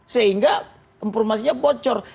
sehingga informasinya bocor